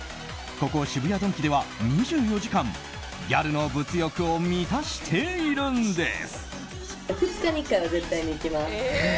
ここ渋谷ドンキでは２４時間ギャルの物欲を満たしているんです。